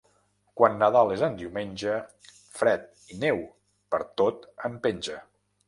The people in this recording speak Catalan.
Quan Nadal és en diumenge, fred i neu per tot en penja.